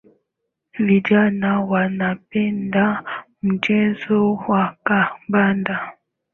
Vijana wanapenda mchezo wa kandanda